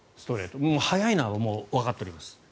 速いのはわかっております。